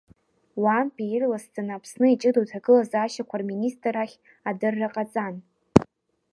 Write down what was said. Уаантәи ирласӡаны Аԥсны Иҷыдоу аҭагылазаашьақәа Рминистрра ахь адырра ҟаҵан.